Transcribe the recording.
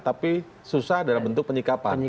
tapi susah dalam bentuk penyikapan